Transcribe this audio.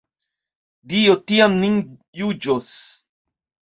Dio tiam nin juĝos!